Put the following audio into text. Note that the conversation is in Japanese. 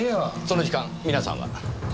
その時間皆さんは？